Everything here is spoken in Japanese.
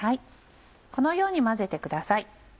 このように混ぜてください。